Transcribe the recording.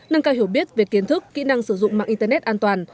nâng cao hiểu biết về kiến thức kỹ năng sử dụng mạng internet an toàn